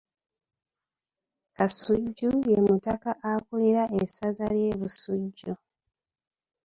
Kasujju ye mutaka akulira essaza ly'e Busujju.